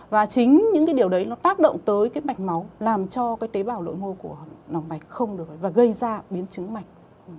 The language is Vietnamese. và chính những cái điều đấy nó tác động tới cái mạch máu làm cho cái tế bào lội mô của lòng mạch không được và gây ra biến chứng mạch